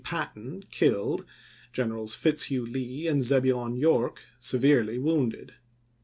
Patton, killed ; Generals Fitzhugh ch. xni. Lee and Zebulon York, severely wounded.